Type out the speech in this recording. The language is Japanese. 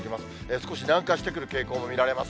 少し南下してくる傾向も見られます。